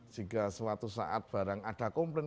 jika suatu saat barang ada komplain